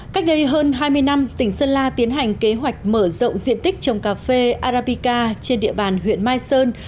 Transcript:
cách đây hơn hai mươi năm tỉnh sơn la tiến hành kế hoạch mở rộng diện tích trồng cà phê arabica trên địa bàn huyện mai sơn